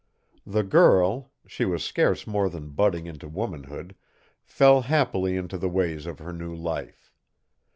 The girl she was scarce more than budding into womanhood fell happily into the ways of her new life.